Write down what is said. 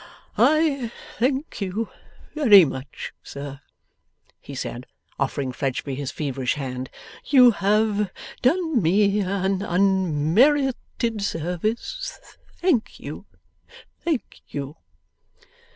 'I thank you very much, sir,' he said, offering Fledgeby his feverish hand. 'You have done me an unmerited service. Thank you, thank you!